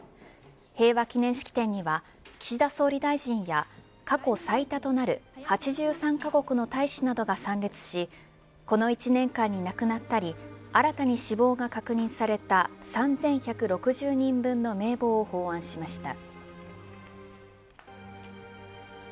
平和記念式典には岸田総理大臣や過去最多となる８３カ国の大使などが参列しこの１年間に亡くなったり新たに死亡が確認された３１６０人の名簿を奉安しました。